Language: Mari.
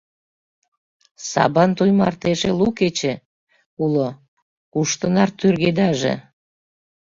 Сабантуй марте эше лу кече уло, куш тынар тӱргедаже?